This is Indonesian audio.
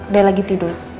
dia lagi tidur